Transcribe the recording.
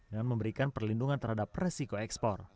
dengan memberikan perlindungan terhadap resiko ekspor